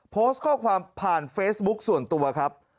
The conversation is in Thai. โพสต์ข้อความผ่านเฟซบุ๊คส่วนตัวครับ